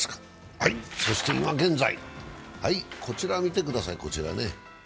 そして今現在こちら見てください。